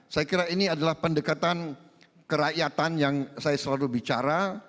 saya kira ini adalah pendekatan kerakyatan yang saya selalu bicara